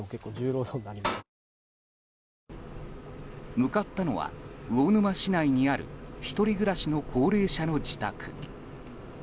向かったのは、魚沼市内にある１人暮らしの高齢者の自宅。